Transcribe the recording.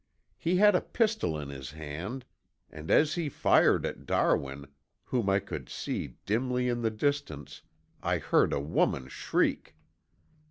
He had a pistol in his hand and as he fired at Darwin, whom I could see dimly in the distance, I heard a woman shriek.